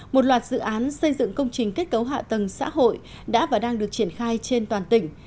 một loạt dự án xây dựng công trình kết cấu hạ tầng xã hội đã và đang được triển khai trên toàn tỉnh